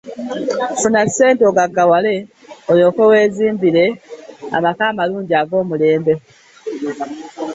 Funa ssente ogaggawale olyoke weezimbire amaka amalungi ag'omulembe.